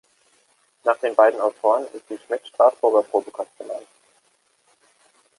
Nach den beiden Autoren ist die "Schmidt-Strasburger-Probekost" benannt.